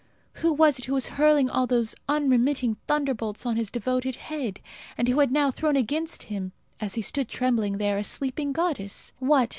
Who was it who was hurling all those unremitting thunderbolts on his devoted head, and who had now thrown against him, as he stood trembling there, a sleeping goddess? What!